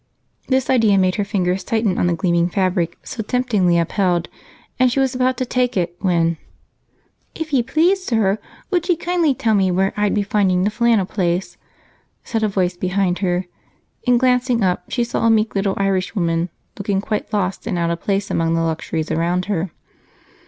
This idea made her fingers tighten on the gleaming fabric so temptingly upheld, and she was about to take it when, "If ye please, sir, would ye kindly tell me where I'd be finding the flannel place?" said a voice behind her, and, glancing up, she saw a meek little Irishwoman looking quite lost and out of place among the luxuries around her.